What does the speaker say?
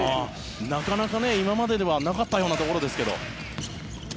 なかなか今までではなかったようなところですが。